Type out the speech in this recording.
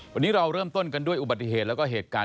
วันนี้เราเริ่มต้นกันด้วยอุบัติเหตุแล้วก็เหตุการณ์